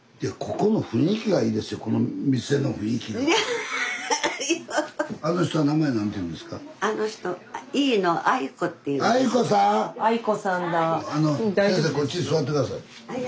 こっちに座って下さい。